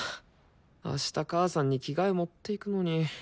あした母さんに着替え持っていくのに。